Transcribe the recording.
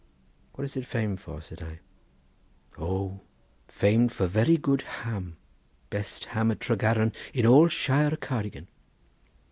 "What is it famed for?" said I. "O, famed for very good ham; best ham at Tregaron in all Shire Cardigan."